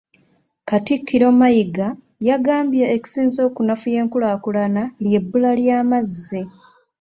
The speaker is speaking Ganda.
Katikkiro Mayiga yagambye ekisinze okunafuya enkulaakulana ly’ebbula ly’amazzi.